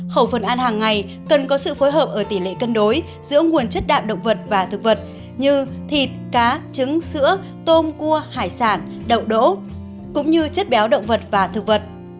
khẩu phần ăn hàng ngày cần có sự phối hợp ở tỷ lệ cân đối giữa nguồn chất đạm động vật và thực vật như thịt cá trứng sữa tôm cua hải sản đậu đỗ cũng như chất béo động vật và thực vật